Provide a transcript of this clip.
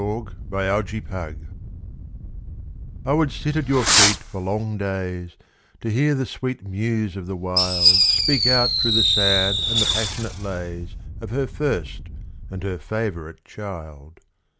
To Charles Harpur I would sit at your feet for long days, To hear the sweet Muse of the Wild Speak out through the sad and the passionate lays Of her first and her favourite Child.